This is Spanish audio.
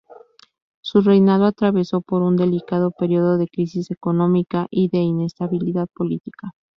Su reinado atravesó por un delicado periodo de crisis económica y de inestabilidad política.